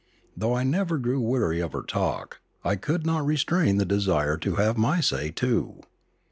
Though I never grew weary of her talk, I could not restrain the desire to have my say, too.